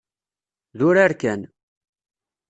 D urar kan.